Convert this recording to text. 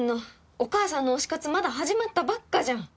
お母さんの推し活まだ始まったばっかじゃん！